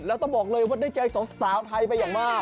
แล้วต้องบอกเลยว่าได้ใจสาวไทยไปอย่างมาก